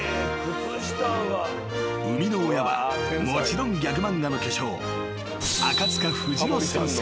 ［生みの親はもちろんギャグ漫画の巨匠］